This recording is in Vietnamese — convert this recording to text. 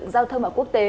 giao thông và quốc tế